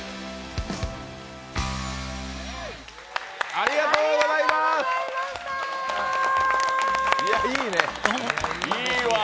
ありがとうございます！